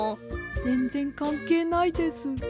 ぜんぜんかんけいないです。